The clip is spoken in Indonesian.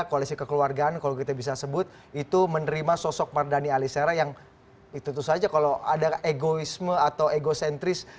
koalisi kekeluargaan kalau kita bisa sebut itu menerima sosok mardhani alisera yang itu tentu saja kalau ada egoisme atau egocentris